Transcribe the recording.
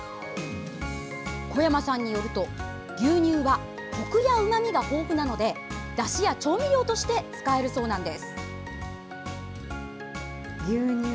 小山さんによると牛乳はコクやうまみが豊富なのでだしや調味料として使えるそうなんです。